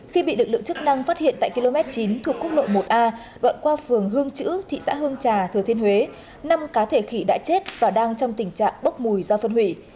khi bị lực lượng chức năng phát hiện tại km chín thuộc quốc lộ một a đoạn qua phường hương chữ thị xã hương trà thừa thiên huế năm cá thể khỉ đã chết và đang trong tình trạng bốc mùi do phân hủy